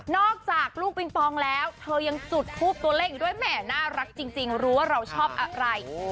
อกจากลูกปิงปองแล้วเธอยังจุดทูปตัวเลขอยู่ด้วยแหม่น่ารักจริงรู้ว่าเราชอบอะไร